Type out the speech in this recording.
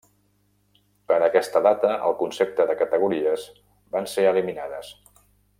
Per a aquesta data el concepte de categories van ser eliminades.